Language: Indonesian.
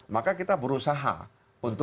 maka kita berusaha untuk